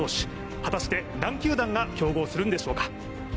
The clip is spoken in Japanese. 果たして何球団が競合するのでしょうか？